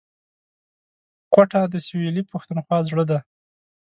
کوټه د سویلي پښتونخوا زړه دی